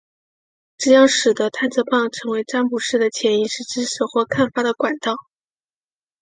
这将使得探测棒成为占卜师的潜意识知识或看法的管道。